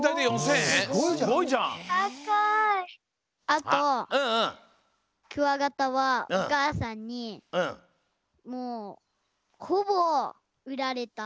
あとクワガタはおかあさんにもうほぼうられた。